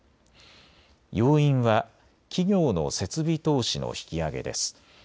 要因は企業の設備投資の引き上げです。